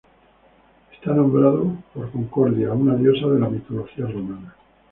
Está nombrado por Concordia, una diosa de la mitología romana.